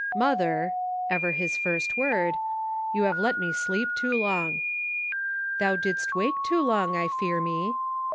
"Mother" (ever his first word), "you have let me sleep too long." "Thou didst wake too long, I fear me."